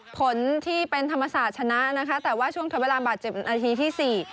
ผลที่เป็นธรรมศาสตร์ชนะนะคะแต่ว่าช่วงทดเวลาบาดเจ็บนาทีที่สี่